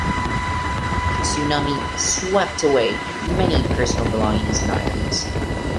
The tsunami swept away many personal belongings and items.